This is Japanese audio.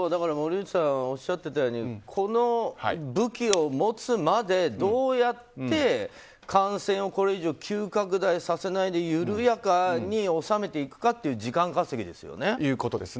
森内さんがおっしゃってたようにこの武器を持つまでどうやって感染をこれ以上、急拡大させないで緩やかに収めていくかっていう時間稼ぎですよね。